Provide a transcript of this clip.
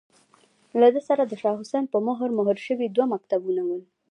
له ده سره د شاه حسين په مهر، مهر شوي دوه مکتوبونه ول.